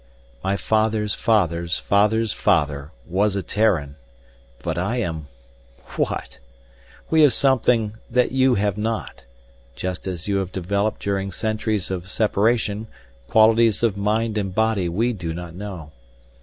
My father's father's father's father was a Terran, but I am what? We have something that you have not, just as you have developed during centuries of separation qualities of mind and body we do not know.